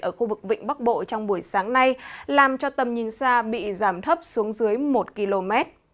ở khu vực vịnh bắc bộ trong buổi sáng nay làm cho tầm nhìn xa bị giảm thấp xuống dưới một km